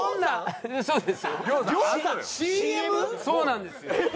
そうなんですよ。